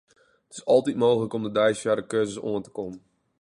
It is altyd mooglik om de deis foar de kursus oan te kommen.